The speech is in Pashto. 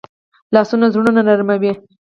لاسونه زړونه نرموي